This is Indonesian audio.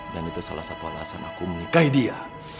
dan itu salah satu alasan aku menikahi dia